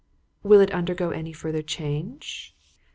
"Will it undergo any further change?"